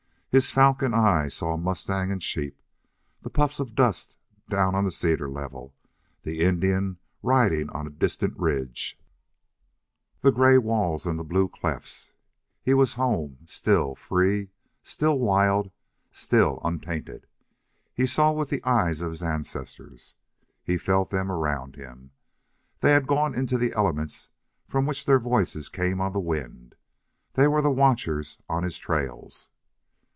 His falcon eye saw mustang and sheep, the puff of dust down on the cedar level, the Indian riding on a distant ridge, the gray walls, and the blue clefts. Here was home, still free, still wild, still untainted. He saw with the eyes of his ancestors. He felt them around him. They had gone into the elements from which their voices came on the wind. They were the watchers on his trails.